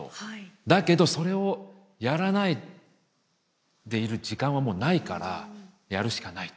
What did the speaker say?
だけどそれをやらないでいる時間はもうないからやるしかないっていう。